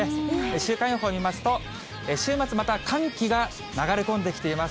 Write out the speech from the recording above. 週間予報を見ますと、週末、また寒気が流れ込んできています。